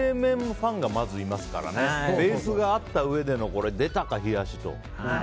ファンがいますからベースがあったうえでの出たか、冷やしと。